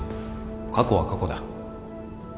過去は過去だ。